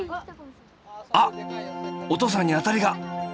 あっお父さんにアタリが！